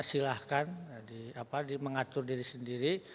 silahkan mengatur diri sendiri